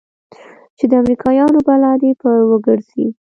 چې د امريکايانو بلا دې پر وګرځي.